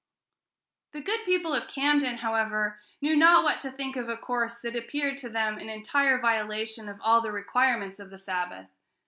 The good people of Camden, however, knew not what to think of a course that appeared to them an entire violation of all the requirements of the Sabbath.